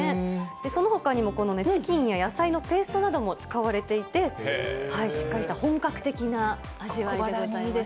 そのほかにもチキンや野菜のペーストなども使われていて、しっかりした本格的な味わいでございます。